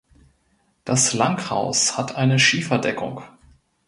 Das Langhaus hat eine Schieferdeckung.